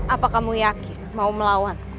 apa kamu yakin mau melawan